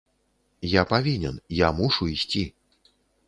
Я павінен, я мушу ісці!